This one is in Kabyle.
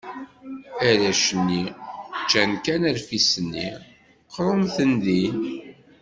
Arrac-nni ččan kan rfis-nni, qrumten din.